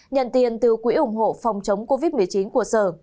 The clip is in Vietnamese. nhận tiền từ quỹ ủng hộ phòng chống covid một mươi chín của sở